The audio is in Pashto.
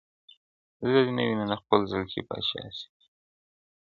زه دي نه وینم د خپل زړگي پاچا سې؛